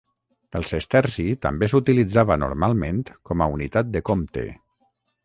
El sesterci també s'utilitzava normalment com a unitat de compte.